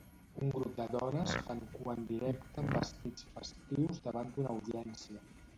Un grup de dones fan cua en directe amb vestits festius davant d'una audiència.